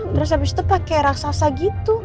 terus habis itu pakai raksasa gitu